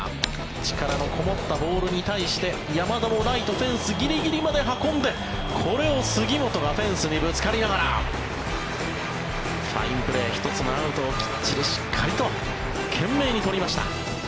力のこもったボールに対して山田もライトフェンスギリギリまで運んでこれを杉本がフェンスにぶつかりながらファインプレー１つのアウトをきっちりと懸命に取りました。